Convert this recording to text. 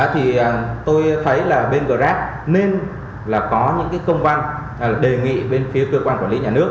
thì tôi thấy là bên grab nên là có những cái công văn đề nghị bên phía cơ quan quản lý nhà nước